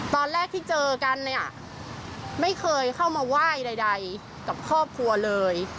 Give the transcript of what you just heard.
ตอนแรกที่เจอกันเนี่ยไม่เคยเข้ามาไหว้ใดกับครอบครัวเลย